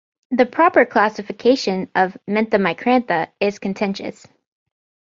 The proper classification of "Mentha micrantha" is contentious.